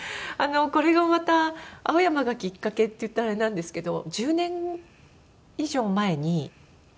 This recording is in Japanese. これがまた青山がきっかけって言ったらあれなんですけど１０年以上前にあの。